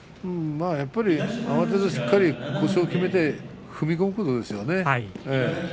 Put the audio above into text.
やっぱり慌てずしっかり腰をきめて踏み込むことですよね。